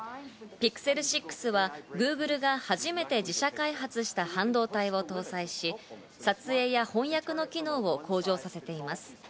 Ｐｉｘｅｌ６はＧｏｏｇｌｅが初めて自社開発した半導体を搭載し、撮影や翻訳の機能を向上させています。